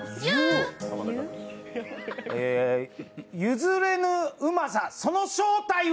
譲れぬうまさ、その正体は？